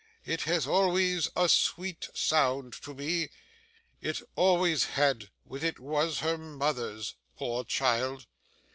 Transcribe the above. It has always a sweet sound to me. It always had when it was her mother's, poor child.